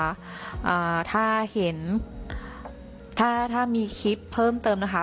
อ่าถ้าเห็นถ้าถ้ามีคลิปเพิ่มเติมนะคะ